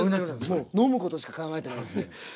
もう飲むことしか考えてないです。